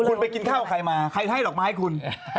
คุณไปกินข้าวกับใครมาใครให้ดอกไม้คุณ